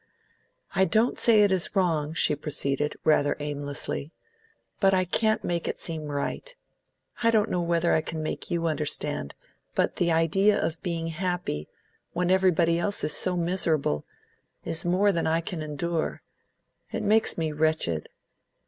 "I don't say it is wrong," she proceeded, rather aimlessly, "but I can't make it seem right. I don't know whether I can make you understand, but the idea of being happy, when everybody else is so miserable, is more than I can endure. It makes me wretched."